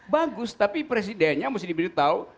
bagus tapi presidennya mesti diberitahu